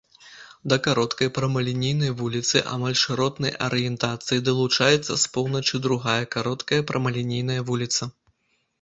Да кароткай прамалінейнай вуліцы амаль шыротнай арыентацыі далучаецца з поўначы другая кароткая прамалінейная вуліца.